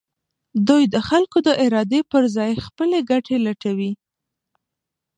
دوی د خلکو د ارادې پر ځای خپلې ګټې لټوي.